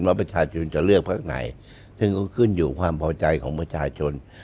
ว่าประชาชนจะเลือกพักไหนซึ่งก็ขึ้นอยู่ความพอใจของประชาชน